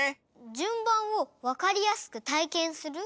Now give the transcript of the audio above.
じゅんばんをわかりやすくたいけんする？